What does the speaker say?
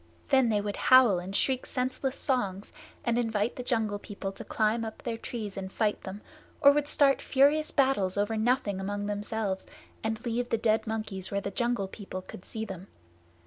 Then they would howl and shriek senseless songs, and invite the Jungle People to climb up their trees and fight them, or would start furious battles over nothing among themselves, and leave the dead monkeys where the Jungle People could see them.